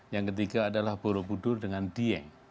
yang ketiga adalah buru budur dengan dieng